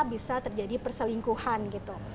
bisa terjadi perselingkuhan gitu